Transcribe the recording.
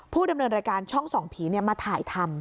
ดำเนินรายการช่องส่องผีมาถ่ายทำ